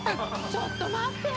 ちょっと待って！